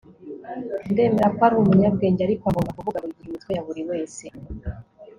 Ndemera ko ari umunyabwenge ariko agomba kuvuga buri gihe imitwe ya buri wese